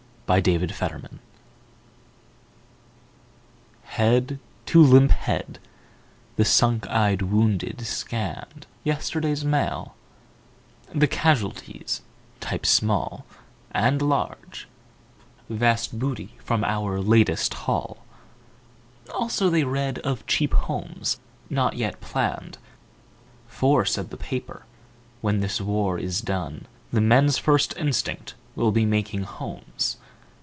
Smile, Smile, Smile Head to limp head, the sunk eyed wounded scanned Yesterday's Mail; the casualties (typed small) And (large) Vast Booty from our Latest Haul. Also, they read of Cheap Homes, not yet planned; For, said the paper, "When this war is done The men's first instinct will be making homes.